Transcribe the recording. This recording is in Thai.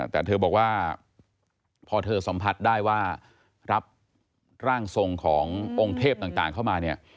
แต่เธอบอกว่าพอเธอสัมผัสได้ว่ารับร่างทรงขององค์เทพต่างเข้ามาเนี่ย